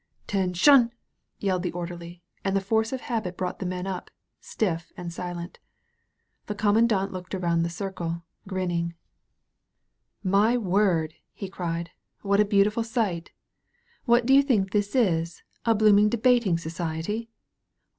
"'Ten^Aiin/" yelled the Orderly, and the force of habit brought the men up, stiff and silent. The Commandant looked around the circle, grinning. 213 THE VALLEY OF VISION My word!" he cried» "what a beautiful sight! What do you think this is — ^a blooming debating society?